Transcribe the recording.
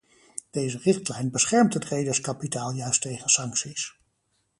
Deze richtlijn beschermt het rederskapitaal juist tegen sancties.